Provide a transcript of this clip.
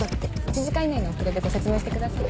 １時間以内の遅れでご説明してください。